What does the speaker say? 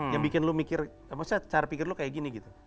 yang bikin lo mikir maksudnya cara pikir lo kayak gini gitu